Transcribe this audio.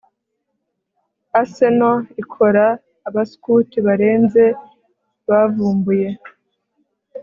Arsenal ikora abaskuti barenze bavumbuye